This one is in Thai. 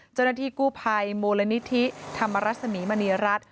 เจ้าหน้าที่กู้ภัยมูลนิธิธรรมรสมีมณีรัฐ